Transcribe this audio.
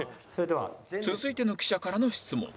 続いての記者からの質問